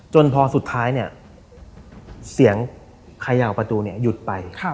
จนพอสุดท้ายเนี่ยเสียงเขย่าประตูหยุดไป